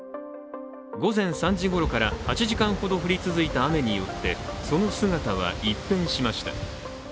午前３時ごろから８時間ほど降り続いた雨によってその姿は一変しました。